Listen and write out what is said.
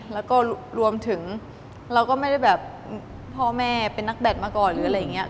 แล้วก็รวมถึงเราก็ไม่ได้แบบพ่อแม่เป็นนักแบตมาก่อนหรืออะไรอย่างนี้